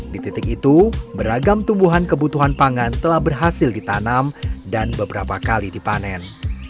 di titik itu beragam tumbuhan kebutuhan pangan telah berhasil ditanam dan beberapa kali dipanen